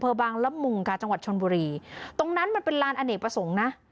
บางละมุงค่ะจังหวัดชนบุรีตรงนั้นมันเป็นลานอเนกประสงค์นะ